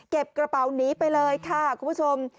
กระเป๋าหนีไปเลยค่ะคุณผู้ชม